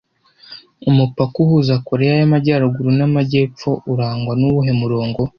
Umupaka uhuza Koreya y'Amajyaruguru n'Amajyepfo urangwa n'uwuhe murongo